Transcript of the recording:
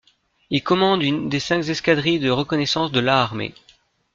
Il commande une des cinq escadrilles de reconnaissance de la Armée.